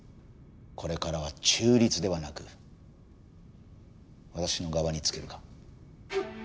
これからは中立ではなく私の側につけるか？